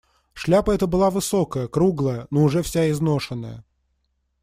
Шляпа эта была высокая, круглая, но вся уже изношенная.